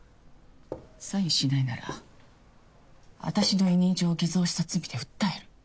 サインしないなら私の委任状を偽造した罪で訴える。